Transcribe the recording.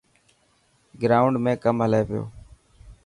گرائونڊ ۾ ڪم هلي پيو.